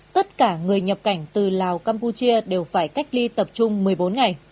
tất cả người nhập cảnh từ lào campuchia đều phải cách ly tập trung một mươi bốn ngày